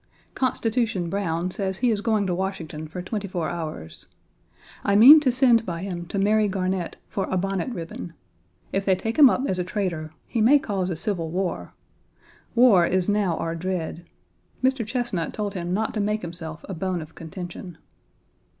"Constitution" Browne says he is going to Washington for twenty four hours. I mean to send by him to Mary Garnett for a bonnet ribbon. If they take him up as a traitor, he may cause a civil war. War is now our dread. Mr. Chesnut told him not to make himself a bone of contention.